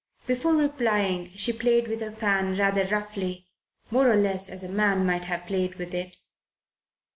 Before replying she played with her fan rather roughly more or less as a man might have played with it.